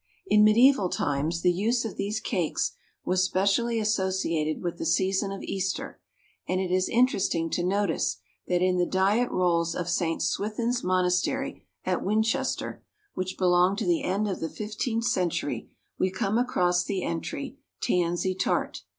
In mediæval times the use of these cakes was specially associated with the season of Easter and it is interesting to notice that in the diet rolls of St. Swithin's monastery at Winchester, which belong to the end of the fifteenth century, we come across the entry "tansey tarte."